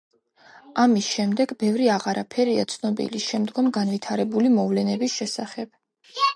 ამის შემდეგ, ბევრი აღარაფერია ცნობილი შემდგომ განვითარებული მოვლენების შესახებ.